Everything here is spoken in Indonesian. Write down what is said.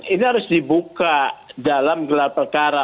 ini harus dibuka dalam gelar perkara